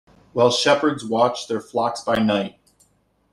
While shepherds watched their flocks by night.